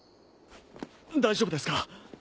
大丈夫ですか？